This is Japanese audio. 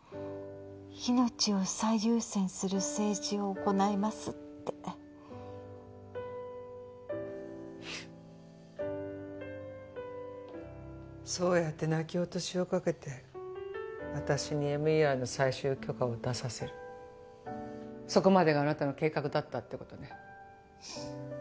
「命を最優先する政治を行います」ってそうやって泣き落としをかけて私にＭＥＲの最終許可を出させるそこまでがあなたの計画だったってことね